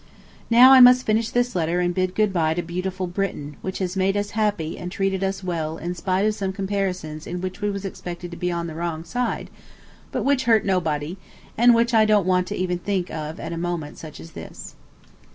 Now I must finish this letter and bid good by to beautiful Britain, which has made us happy and treated us well in spite of some comparisons in which we was expected to be on the wrong side, but which hurt nobody, and which I don't want even to think of at such a moment as this.